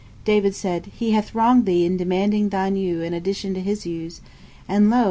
P: (David) said: He hath wronged thee in demanding thine ewe in addition to his ewes, and lo!